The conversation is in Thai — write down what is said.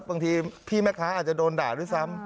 บางทีพี่แม่ค้าอาจจะโดนด่าด้วยซ้ำ